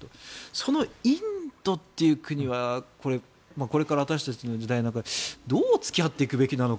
そのインドという国はこれから私たちの時代の中でどう付き合っていくべきなのか。